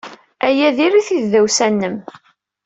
Aya diri-t i tdawsa-nnem.